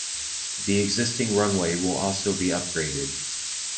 The existing runway will also be upgraded.